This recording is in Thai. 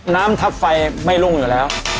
น้ำทับไฟไม่รุ่งอยู่แล้ว